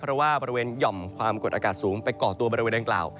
เพราะว่าบริเวณหย่อมความกดอากาศสูงไปก่อตัวบริเวณดังกล่าว